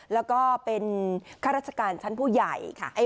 แล้วก็เป็นข้าราชการชั้นผู้ใหญ่ค่ะ